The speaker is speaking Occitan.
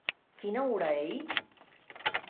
Quina ora ei?